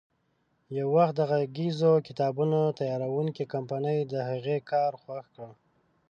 یو وخت د غږیزو کتابونو تیاروونکې کمپنۍ د هغې کار خوښ کړ.